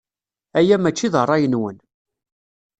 Aya maci d ṛṛay-nwen.